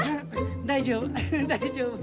大丈夫大丈夫。